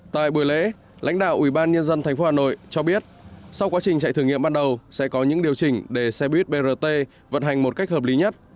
tại buổi lễ lãnh đạo ubnd tp hà nội cho biết sau quá trình chạy thử nghiệm ban đầu sẽ có những điều chỉnh để xe buýt brt vận hành một cách hợp lý nhất